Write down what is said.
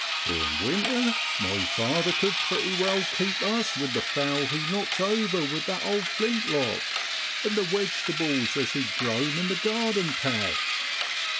In winter my father cud pretty well keep us with the fowl he knocked over with that old flintlock an' the wegetables as he'd grown in the garden patch.